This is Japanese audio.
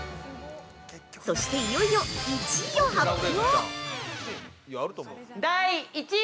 そして、いよいよ１位を発表！